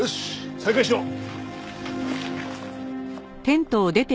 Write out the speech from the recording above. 再開しよう。